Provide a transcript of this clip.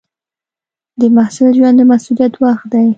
د محصل ژوند د مسؤلیت وخت دی.